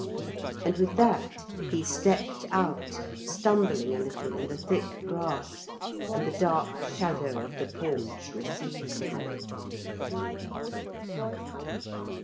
And with that he stepped out, stumbling a little in the thick grass, and the dark shadow of the porch received him.